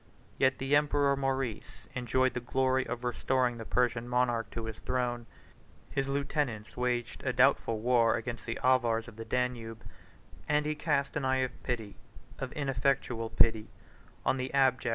Yet the emperor Maurice enjoyed the glory of restoring the Persian monarch to his throne; his lieutenants waged a doubtful war against the Avars of the Danube; and he cast an eye of pity, of ineffectual pity, on the abject and distressful state of his Italian provinces.